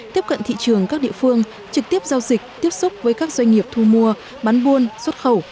tiếp cận thị trường các địa phương trực tiếp giao dịch tiếp xúc với các doanh nghiệp thu mua bán buôn xuất khẩu